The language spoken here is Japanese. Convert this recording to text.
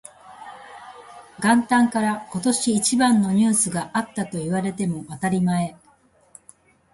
元旦から今年一番のニュースがあったと言われても当たり前